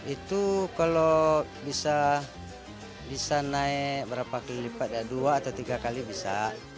itu kalau bisa naik berapa kali lipat ya dua atau tiga kali bisa